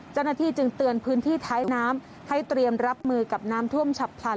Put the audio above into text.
เจ้าหน้าที่จึงเตือนพื้นที่ท้ายน้ำให้เตรียมรับมือกับน้ำท่วมฉับพลัน